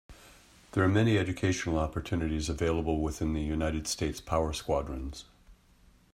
There are many educational opportunities available within the United States Power Squadrons.